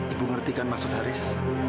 ibu ngerti kan maksud haris